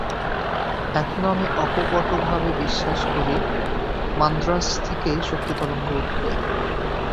এখনও আমি অকপটভাবে বিশ্বাস করি, মান্দ্রাজ থেকেই শক্তিতরঙ্গ উঠবে।